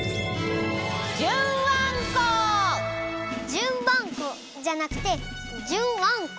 じゅんばんこじゃなくてじゅんわんこ？